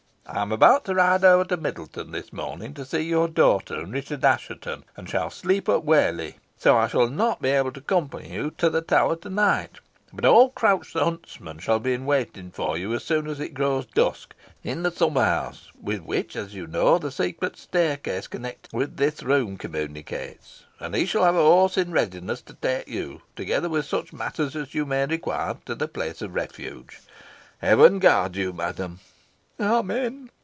I am about to ride over to Middleton this morning to see your daughter and Richard Assheton, and shall sleep at Whalley, so that I shall not be able to accompany you to the tower to night; but old Crouch the huntsman shall be in waiting for you, as soon as it grows dusk, in the summer house, with which, as you know, the secret staircase connected with this room communicates, and he shall have a horse in readiness to take you, together with such matters as you may require, to the place of refuge. Heaven guard you, madam!" "Amen!"